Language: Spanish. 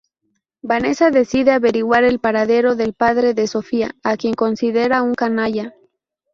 Vanessa decide averiguar el paradero del padre de Sofía, a quien considera un canalla.